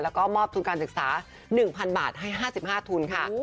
แล้วก็มอบทุนการศึกษา๑๐๐บาทให้๕๕ทุนค่ะ